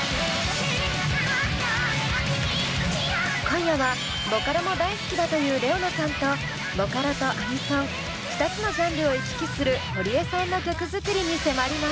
今夜はボカロも大好きだというＲｅｏＮａさんとボカロとアニソン２つのジャンルを行き来する堀江さんの曲作りに迫ります。